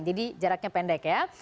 jadi jaraknya pendek ya